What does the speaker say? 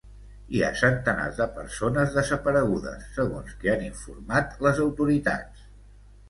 Hi ha centenars de persones desaparegudes, segons que han informat les autoritats.